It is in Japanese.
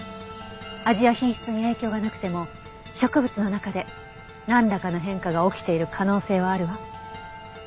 味や品質に影響がなくても植物の中でなんらかの変化が起きている可能性はあるわ。